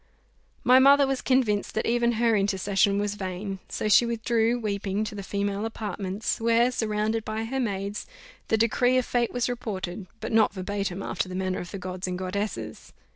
My mother was convinced that even her intercession was vain; so she withdrew, weeping, to the female apartments, where, surrounded by her maids, the decree of fate was reported, but not verbatim, after the manner of the gods and goddesses.